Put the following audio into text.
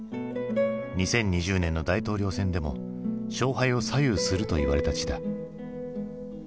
２０２０年の大統領選でも勝敗を左右するといわれた地だ。